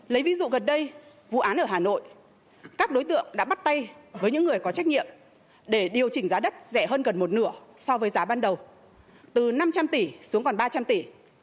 lấy ví dụ gần đây vụ án ở hà nội các đối tượng đã bắt tay với những người có trách nhiệm để điều chỉnh giá đất rẻ hơn gần một nửa so với giá ban đầu từ năm trăm linh tỷ xuống còn ba trăm linh tỷ